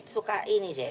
suka ini deh